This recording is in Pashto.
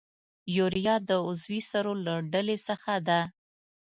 یوریا د عضوي سرو له ډلې څخه ده.